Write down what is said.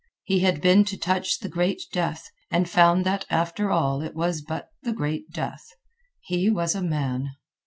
He had been to touch the great death, and found that, after all, it was but the great death. He was a man.